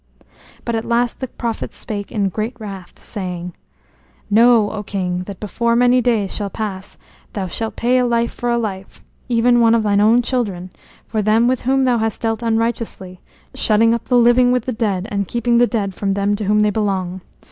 But at the last the prophet spake in great wrath, saying: "Know, O King, that before many days shall pass thou shalt pay a life for a life, even one of thine own children, for them with whom thou hast dealt unrighteously, shutting up the living with the dead and keeping the dead from them to whom they belong.